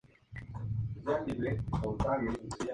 El río Bear fluye atravesando el valle.